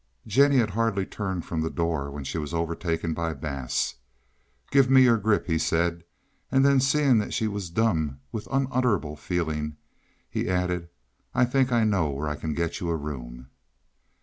Jennie had hardly turned from the door when she was overtaken by Bass. "Give me your grip," he said; and then seeing that she was dumb with unutterable feeling, he added, "I think I know where I can get you a room."